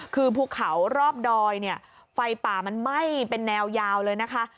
คือภูเขารอบดอยเนี่ยไฟป่ามันไหม้เป็นแนวยาวเลยนะคะ